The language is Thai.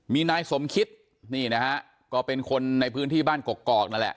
มีนายสมคิตนี่นะฮะก็เป็นคนในพื้นที่บ้านกกอกนั่นแหละ